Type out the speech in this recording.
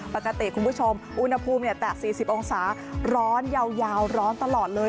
คุณผู้ชมอุณหภูมิแต่๔๐องศาร้อนยาวร้อนตลอดเลย